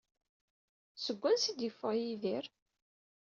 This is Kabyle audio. Seg wansi ay d-yeffeɣ Yidir?